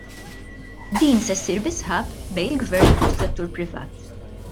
Din se ssir bi sħab bejn il-Gvern u s-settur privat.